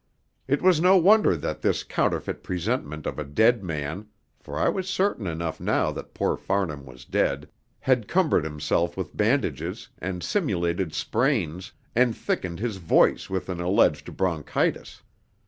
It was no wonder that this counterfeit presentment of a dead man (for I was certain enough now that poor Farnham was dead) had cumbered himself with bandages, and simulated sprains, and thickened his voice with an alleged bronchitis.